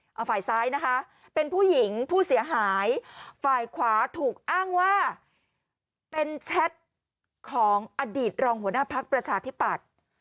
เอาฝ่ายซ้ายนะคะเป็นผู้หญิงผู้เสียหายฝ่ายขวาถูกอ้างว่าเป็นแชทของอดีตรองหัวหน้าพักประชาธิปัตย์